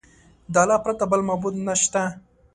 د الله پرته بل معبود نشته.